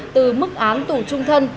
từ mức án tù trung thân